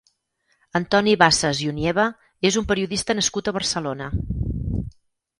Antoni Bassas i Onieva és un periodista nascut a Barcelona.